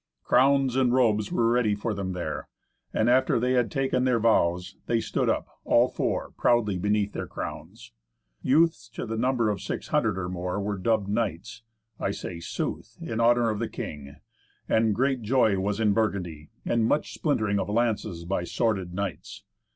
Crowns and robes were ready for them there; and after they had taken their vows, they stood up, all four, proudly beneath their crowns. Youths, to the number of six hundred or more, were dubbed knights (I say sooth) in honour of the king. And great joy was in Burgundy, and much splintering of lances by sworded knights.